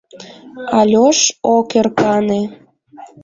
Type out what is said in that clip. Альош ок ӧркане.